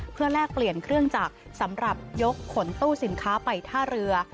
เพื่อแลกเปลี่ยนเครื่องจักรสำหรับยกขนตู้สินค้าไปท่าเรือ